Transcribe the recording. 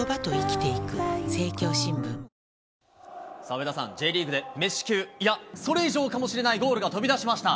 上田さん、Ｊリーグでメッシ級、いや、それ以上かもしれないゴールが飛び出しました。